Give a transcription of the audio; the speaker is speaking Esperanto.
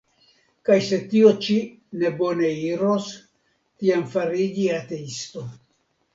Kaj se tio ĉi ne bone iros, tiam fariĝi ateisto!